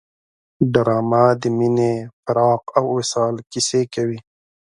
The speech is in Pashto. ډرامه د مینې، فراق او وصال کیسې کوي